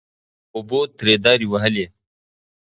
اوبو ترې دارې وهلې. .